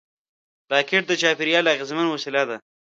راکټ د چاپېریال اغېزمن وسیله ده